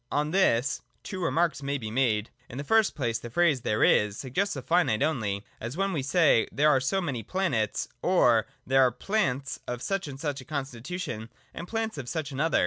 On this two remarks may be made. In the first place the phrase ' there is ' suggests a finite only : as when we say, there are so many planets, or, there are plants of such a constitution and plants of such an other.